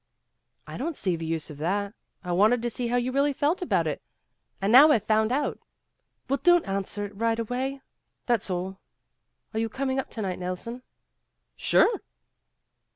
" I don 't see the use of that. I wanted to see how you really felt about it, and now IVe found out." "Well, don't answer it right away. That's 140 PEGGY RAYMOND'S WAY all. Are you coming up to night, Nelson?" '' Sure."